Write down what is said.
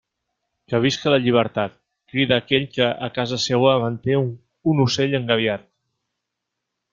Que visca la llibertat, crida aquell que, a casa seua, manté un ocell engabiat.